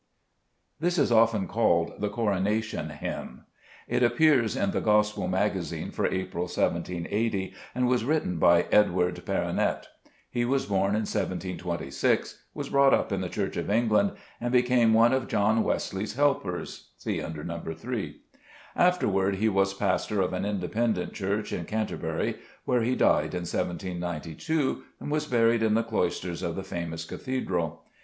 This is often called " The Coronation Hymn." It appeared in the Gospel Magazine for April, 17S0, and was written by Edward Perronet. He was born in 1 726, was brought up in the Church of England, and became one of John Wesley's helpers (see under Xo. 3). After ward he was pastor of an Independent church in Canter bury, where he died in 1792, and was buried in the clois ters of the famous Cathedral.